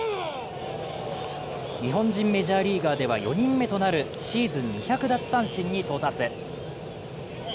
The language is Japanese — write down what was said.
日本人メジャーリーガーでは４人目となるシーズン２００奪三振に到達。